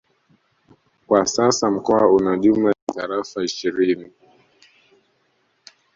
Kwa sasa mkoa una jumla ya Tarafa ishirini